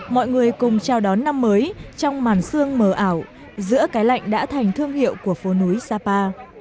mọi người cùng chào đón năm mới trong màn sương mờ ảo giữa cái lạnh đã thành thương hiệu của phố núi sapa